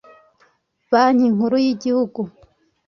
banki nkuru y’igihugu